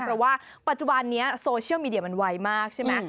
เพราะว่าปัจจุบันนี้โซเชียลมีเดียมันไวมากใช่ไหม